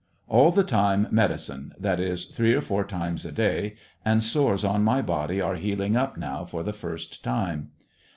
All the time medicine, that is, three or four times a day; and sores on my body are healing up now for the first time.